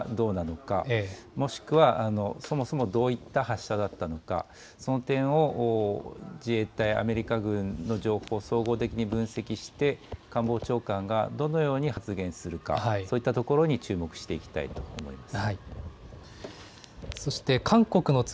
まず衛星の発射というものが失敗と見るのか、どうなのかもしくはそもそもどういった発射だったのかその点を自衛隊、アメリカ軍の情報を総合的に分析して官房長官がどのように発言するか、そういったところに注目していきたいと思います。